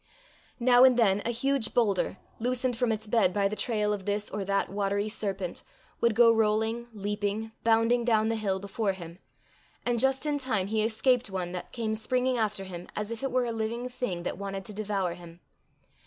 Now and then a huge boulder, loosened from its bed by the trail of this or that watery serpent, would go rolling, leaping, bounding down the hill before him, and just in time he escaped one that came springing after him as if it were a living thing that wanted to devour him.